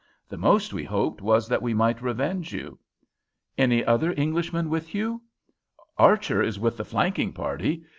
The most we hoped was that we might revenge you." "Any other Englishman with you?" "Archer is with the flanking party.